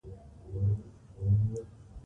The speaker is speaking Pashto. د کونړ سيند اوبه ډېرې دي